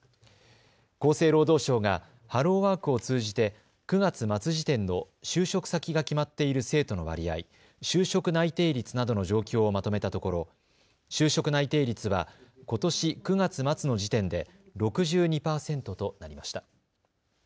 厚生労働省がハローワークを通じて９月末時点の就職先が決まっている生徒の割合、就職内定率などの状況をまとめたところ就職内定率は、ことし９月末の時点で６２％となりました。